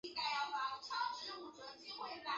扁基荸荠为莎草科荸荠属的植物。